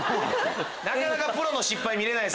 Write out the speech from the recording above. なかなかプロの失敗見れない。